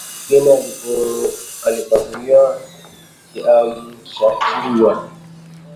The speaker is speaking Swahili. Mgeni alipakuliwa kiamshakinywa